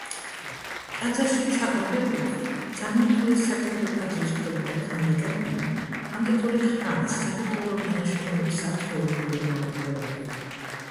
ტაძარში ჩაყოლებული წარმართული საკერპო ტაძრის ქვები და ქანდაკებანი ანტიკური ხანის სარიტუალო დანიშნულების არქეოლოგიური მონაპოვარია.